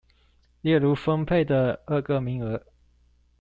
例如分配的二個名額